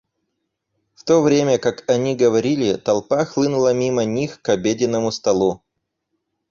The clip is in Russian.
В то время как они говорили, толпа хлынула мимо них к обеденному столу.